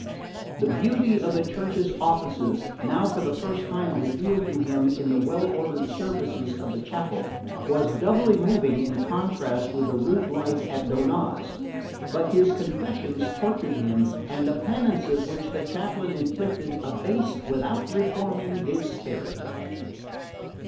The beauty of the Church's offices, now for the first time revealed to him in the well ordered services of the chapel, was doubly moving in contrast with the rude life at Donnaz; but his confessions tortured him and the penances which the chaplain inflicted abased without reforming his spirit.